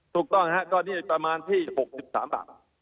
ถูกต้องครับก็นี่ประมาณที่๖๓บาท